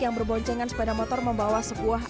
yang berboncengan sepeda motor membawa sebuah